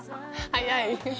早い！